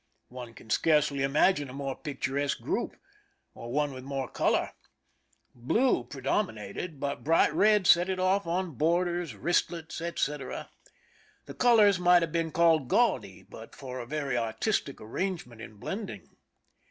One can scarcely imagine a more picturesque group, or one with more color. Blue predominated, but i<> 219 THE SINKINa OF THE "MEEEIMAC" brigM red set it off on borders, wristlets, etc. The colors might have been called gaudy but for a very artistic arrangement in blending.